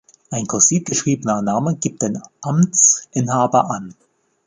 Ein kursiv geschriebener Name gibt den Amtsinhaber an.